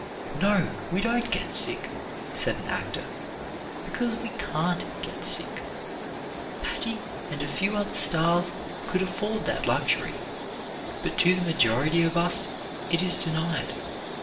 "No, we don't get sick," said an actor, "because we can't get sick. Patti and a few other stars could afford that luxury, but to the majority of us it is denied.